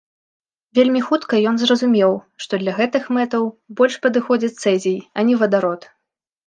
Вельмі хутка ён зразумеў, што для гэтых мэтаў больш падыходзіць цэзій, а не вадарод.